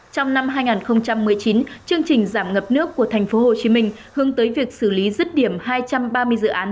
trong năm hai nghìn một mươi chín chương trình giảm ngập nước của thành phố hồ chí minh hướng tới việc xử lý dứt điểm hai trăm ba mươi dự án